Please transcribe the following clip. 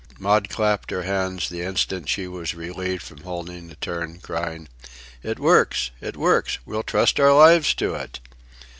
Maud clapped her hands the instant she was relieved from holding the turn, crying: "It works! It works! We'll trust our lives to it!"